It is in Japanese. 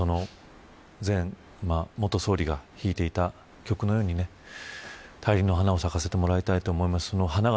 元総理が弾いていた曲のように大輪の花を咲かせてもらいたいと思います。